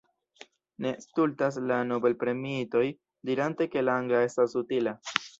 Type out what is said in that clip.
Ne stultas la nobelpremiitoj dirante ke la angla estas utila.